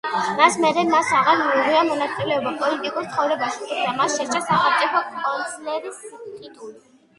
მის მერე მას აღარ მიუღია მონაწილეობა პოლიტიკურ ცხოვრებაში, თუმცა მას შერჩა სახელმწიფო კანცლერის ტიტული.